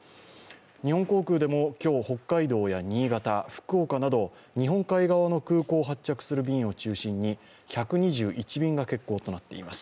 日本航空でも今日、北海道や新潟、福岡などでも日本海側の空港を発着する便を中心に１２１便が欠航となっています。